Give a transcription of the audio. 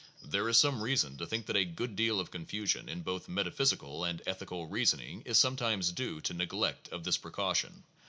There is some reason to think that a good deal of confusion in both metaphysical and ethical reasoning is sometimes due to neglect of this precaution.